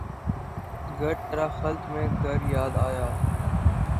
گھر ترا خلد میں گر یاد آیا